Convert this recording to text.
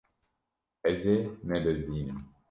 Ez ê nebizdînim.